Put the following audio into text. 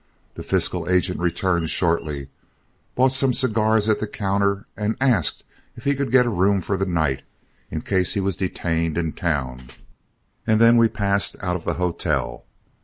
The fiscal agent returned shortly, bought some cigars at the counter, asked if he could get a room for the night, in case he was detained in town, and then we passed out of the hotel.